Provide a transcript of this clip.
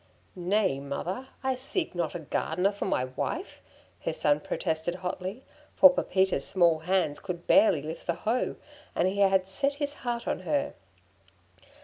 'Nay, mother! I seek not a gardener for my wife!' her son protested hotly, for Pepita's small hands could barely lift the hoe, and he had set his heart on her.